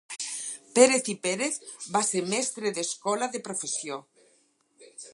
Pérez i Pérez va ser mestre d'escola de professió.